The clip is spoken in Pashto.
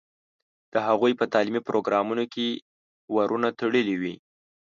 د هغوی په تعلیمي پروګرامونو کې ورونه تړلي وي.